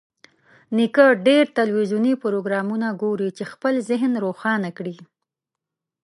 نیکه ډېر تلویزیوني پروګرامونه ګوري چې خپل ذهن روښانه کړي.